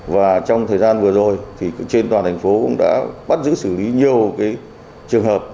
và trong thời gian vừa rồi thì trên toàn thành phố cũng đã bắt giữ xử lý nhiều trường hợp